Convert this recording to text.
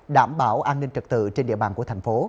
đảm bảo an ninh trật tự trên địa bàn của thành phố